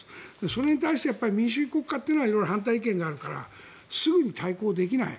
それに対して民主主義国家は色々、反対意見があるからすぐに対抗できない。